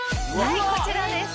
はいこちらです